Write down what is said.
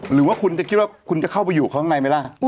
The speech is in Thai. หรือว่าคุณจะคิดว่าคุณจะเข้าไปอยู่ข้างในไหมล่ะ